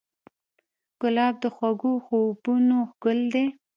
ګلاب د خوږو خوبونو ګل دی.